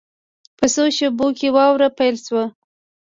په څو شېبو کې واوره پیل شوه.